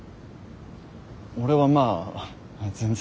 俺はまあ全然。